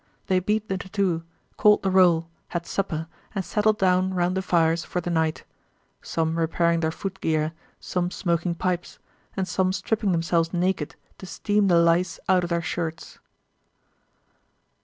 They beat the tattoo, called the roll, had supper, and settled down round the fires for the night—some repairing their footgear, some smoking pipes, and some stripping themselves naked to steam the lice out of their shirts.